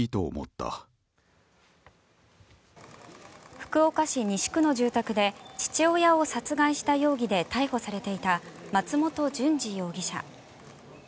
福岡市西区の住宅で父親を殺害した容疑で逮捕されていた松本淳二容疑者。